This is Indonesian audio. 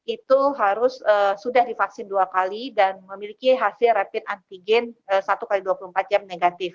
itu harus sudah divaksin dua kali dan memiliki hasil rapid antigen satu x dua puluh empat jam negatif